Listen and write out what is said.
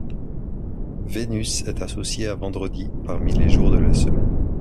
Vénus est associée à vendredi parmi les jours de la semaine.